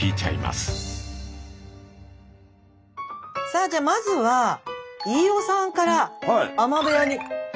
さあじゃあまずは飯尾さんから海女部屋に。